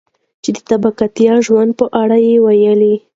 چې د طبقاتي ژوند په اړه يې وويلي.